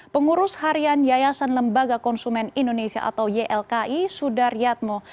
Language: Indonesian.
pengurus harian yayasan lembaga konsumen indonesia atau ylki sudaryatmo